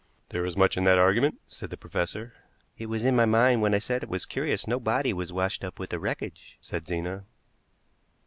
"There is much in that argument," said the professor. "It was in my mind when I said it was curious no body was washed up with the wreckage," said Zena.